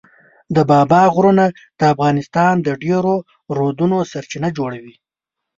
د بابا غرونه د افغانستان د ډېرو رودونو سرچینه جوړوي.